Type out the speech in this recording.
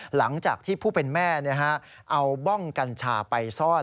หลังจากที่ผู้เป็นแม่เอาบ้องกัญชาไปซ่อน